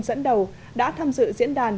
dẫn đầu đã tham dự diễn đàn